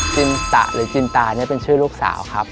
จินตะหรือจินตาเนี่ยเป็นชื่อลูกสาวครับ